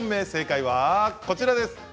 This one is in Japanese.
正解はこちらです。